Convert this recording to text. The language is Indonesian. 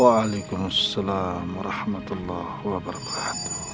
waalaikumsalam warahmatullahi wabarakatuh